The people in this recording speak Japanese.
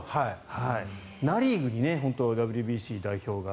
ナ・リーグに本当にＷＢＣ代表が。